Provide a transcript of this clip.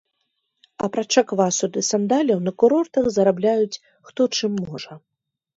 Апрача квасу ды сандаляў на курортах зарабляюць, хто чым можа.